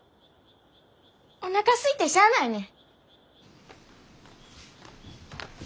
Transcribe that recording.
おなかすいてしゃあないねん。